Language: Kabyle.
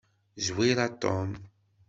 Zwir a Tom.